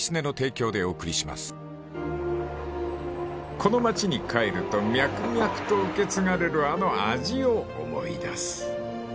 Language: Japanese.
［この町に帰ると脈々と受け継がれるあの味を思い出す］